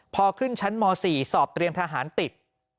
พอขึ้นชั้นม๔สอบเตรียมทหารติด